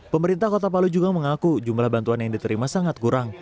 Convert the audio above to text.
pemerintah kota palu juga mengaku jumlah bantuan yang diterima sangat kurang